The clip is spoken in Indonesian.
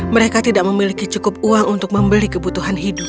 mereka tidak memiliki cukup uang untuk membeli kebutuhan hidup